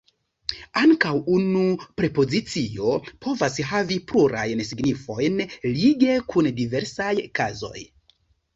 Ankaŭ unu prepozicio povas havi plurajn signifojn lige kun diversaj kazoj.